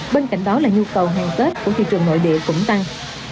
bên cạnh đó là nhu cầu hàng tết của thị trường nội địa cũng tăng